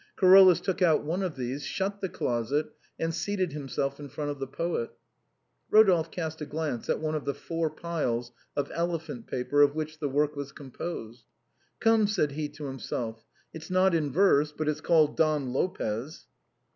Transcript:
Carolus took out one of these, shut the closet, and seated himself in front of the poet. Rodolphe cast a glance at one of the four piles of ele phant paper of which the work was composed. " Come," A BOHEMIAN " AT HOME." 145 said he to himself, " it's not in verse, but it's called * Don Lopez.'